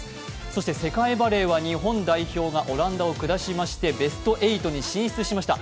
そして世界バレーは日本代表がオランダを下しましてベスト８に進出しました。